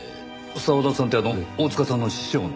澤田さんってあの大塚さんの師匠の？